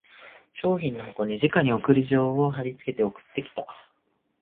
商品の箱にじかに送り状を張りつけて送ってきた